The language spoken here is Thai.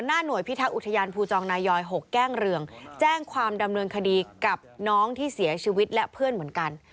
เงินคดีกับน้องที่เสียชีวิตและเพื่อนเหมือนกัน